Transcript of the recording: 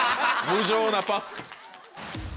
無情なパス。